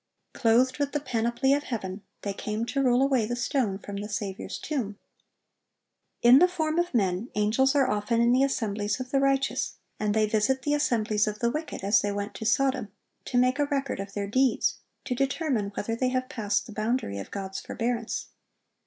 Clothed with the panoply of heaven, they came to roll away the stone from the Saviour's tomb. In the form of men, angels are often in the assemblies of the righteous, and they visit the assemblies of the wicked, as they went to Sodom, to make a record of their deeds, to determine whether they have passed the boundary of God's forbearance.